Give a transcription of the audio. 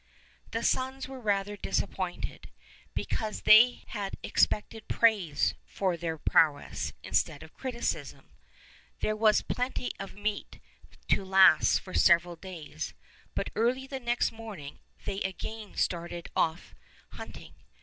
The sons were rather disappointed, be cause they had expected praise for their prowess, instead of criticism. There was plenty of meat to last for several days, but early the next morning they again started off hunting.